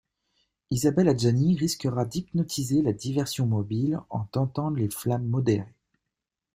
Isabelle Adjani risquera d'hypnotiser la diversion mobile en tentant les flammes modérées.